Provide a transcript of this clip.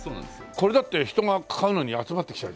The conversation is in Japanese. これだって人が買うのに集まってきちゃう。